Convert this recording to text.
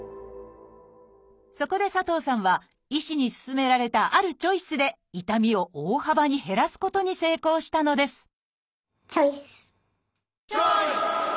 そこで佐藤さんは医師に勧められたあるチョイスで痛みを大幅に減らすことに成功したのですチョイス！